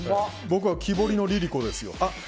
僕は木彫りのＬｉＬｉＣｏです。